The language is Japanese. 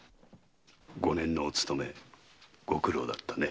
五年のお勤めご苦労だったね。